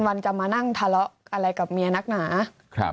วันจะมานั่งทะเลาะอะไรกับเมียนักหนาครับ